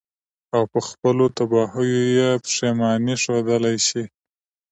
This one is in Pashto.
او په خپلو تباهيو ئې پښېمانه ښودلے شي.